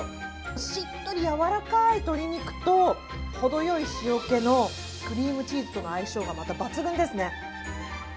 しっとりやわらかい鶏肉とほどよい塩気のクリームチーズとの相性がまた抜群ですね。